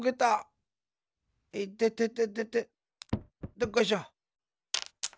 どっこいしょ。